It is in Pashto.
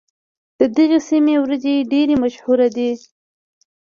د دغې سيمې وريجې ډېرې مشهورې دي.